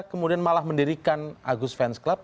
kemudian malah mendirikan agus fans club